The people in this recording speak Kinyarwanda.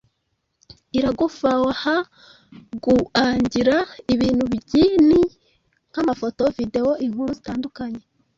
Iragufaha guangira ibintu byinhi nkamafoto, videwo, inkuru, zitandukanye